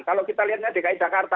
kalau kita lihatnya dki jakarta